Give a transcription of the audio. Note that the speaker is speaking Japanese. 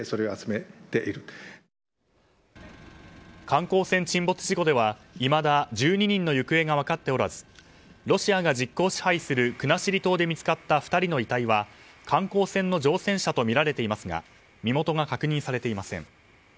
観光船沈没事故では、いまだ１２人の行方が分かっておらずロシアが実効支配する国後島で見つかった２人の遺体は観光船の乗船者とみられていますが身元が確認されていません。